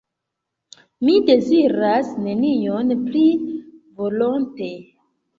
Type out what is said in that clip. Mi deziras nenion pli volonte.